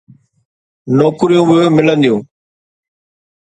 نوڪريون به ملنديون.